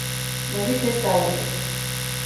მოდით ეს გავაკეთოთ.